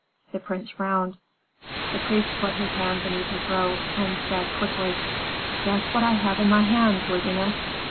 The prince frowned. The priest put his hand beneath his robe, and said quickly, "Guess what I have in my hand, worthiness."